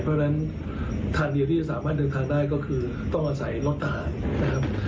เพราะฉะนั้นทางเดียวที่จะสามารถเดินทางได้ก็คือต้องอาศัยรถทหารนะครับ